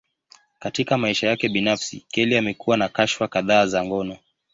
Katika maisha yake binafsi, Kelly amekuwa na kashfa kadhaa za ngono.